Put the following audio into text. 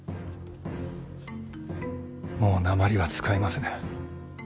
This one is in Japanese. もうなまりは使いませぬ。